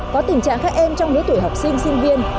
có tình trạng các em trong lứa tuổi học sinh sinh viên